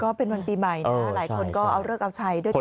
ก็เป็นวันปีใหม่นะหลายคนก็เอาเลิกเอาใช้ด้วยกัน